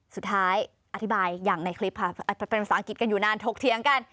อธิบายอย่างในคลิปค่ะเป็นภาษาอังกฤษกันอยู่นานถกเถียงกัน